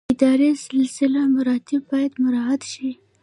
اداري سلسله مراتب باید مراعات شي